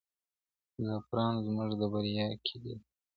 زعفران زموږ د بریا کیلي ده.